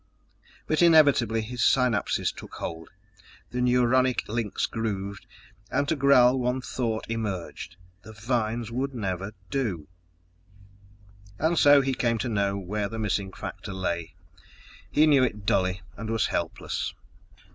But inevitably his synapses took hold, the neuronic links grooved, and to Gral one thought emerged: the vines would never do. And so he came to know where the missing factor lay. He knew it dully and was helpless.